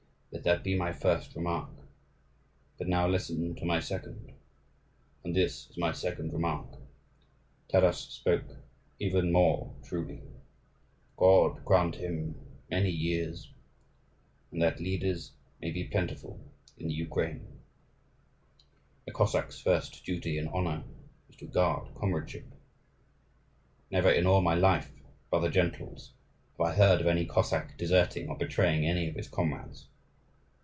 Let that be my first remark; but now listen to my second. And this is my second remark: Taras spoke even more truly. God grant him many years, and that such leaders may be plentiful in the Ukraine! A Cossack's first duty and honour is to guard comradeship. Never in all my life, brother gentles, have I heard of any Cossack deserting or betraying any of his comrades.